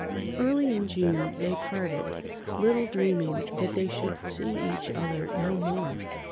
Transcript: [Pg 70]Early in June they parted, little dreaming that they should see each other no more.